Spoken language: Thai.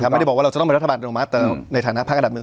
ไม่ได้บอกว่าเราจะต้องเป็นรัฐบาลในฐานะพักอันดับหนึ่ง